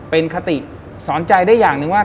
เป็นคติสอนใจได้อย่างหนึ่งว่า